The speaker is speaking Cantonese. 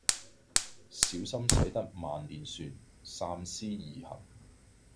小心駛得萬年船三思而行